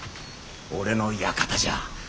俺の館じゃ。